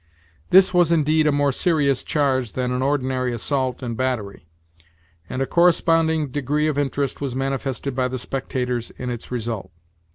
This was indeed a more serious charge than an ordinary assault and battery, and a corresponding degree of interest was manifested by the spectators in its result.